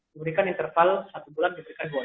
diberikan interval satu bulan diberikan dua hari